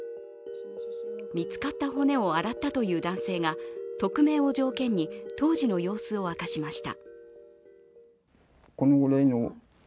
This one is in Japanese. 見つかった骨を洗ったという男性が匿名を条件に当時の様子を明かしました。